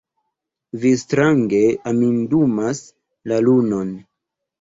Vi strange amindumas la lunon!